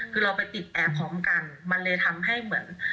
คือเราไปติดแอร์พร้อมกันมันเลยทำให้เหมือน